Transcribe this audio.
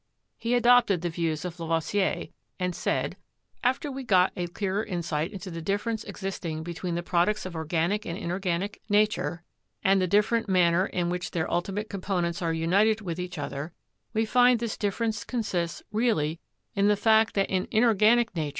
He adopted the views of Lavoisier, and said (Schorlemmer) : "After we have got a clearer insight into the difference existing between the products of organic and inorganic nature, and the different manner in which their ultimate components are united with each other, we find this dif ference consists really in the fact that in inorganic nature s.